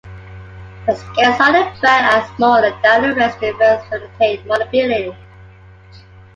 The scales on the back are smaller than the rest to facilitate mobility.